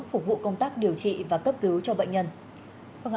phục vụ công tác điều trị và cấp cứu cho bệnh nhân